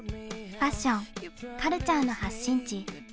ファッション・カルチャーの発信地